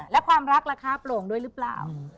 และความรักราคาโปร่งด้วยหรือเปล่า